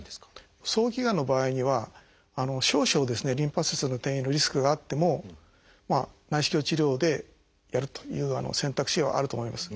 早期がんの場合には少々リンパ節への転移のリスクがあっても内視鏡治療でやるという選択肢はあると思います。